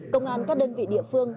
công an các đơn vị địa phương